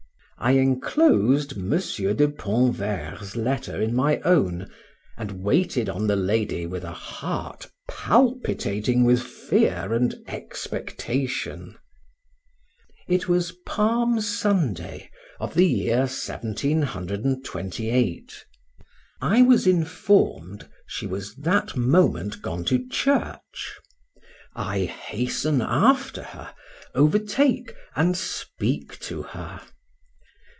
I enclosed M. de Pontverre's letter in my own and waited on the lady with a heart palpitating with fear and expectation. It was Palm Sunday, of the year 1728; I was informed she was that moment gone to church; I hasten after her, overtake, and speak to her.